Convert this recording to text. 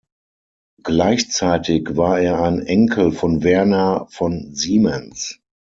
Gleichzeitig war er ein Enkel von Werner von Siemens.